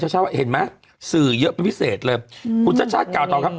ชาวชาวว่าเห็นไหมสื่อเยอะเป็นพิเศษเลยอืมคุณชาวชาวกล่าวตอบครับ